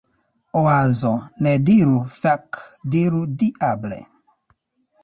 Oazo: "Ne diru "Fek!". Diru "Diable!""